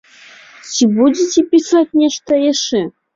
Ці будзеце пісаць нешта яшчэ?